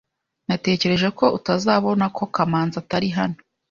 Natekereje ko utazabona ko Kamanzi atari hano